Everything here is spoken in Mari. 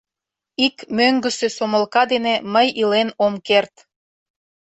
Ик мӧҥгысӧ сомылка дене мый илен ом керт.